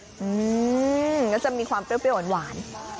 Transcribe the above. อืมก็จะมีความเปรี้ยวหวาน